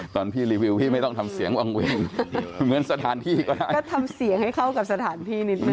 ตอนพี่รีวิวพี่ไม่ต้องทำเสียงวางเวงเหมือนสถานที่ก็ได้ก็ทำเสียงให้เข้ากับสถานที่นิดนึ